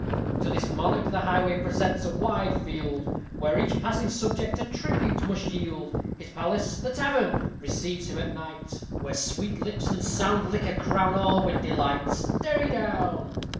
_ To this monarch the highway presents a wide field, Where each passing subject a tribute must yield; His palace the tavern! receives him at night, Where sweet lips and sound liquor crown all with delight. _Derry down.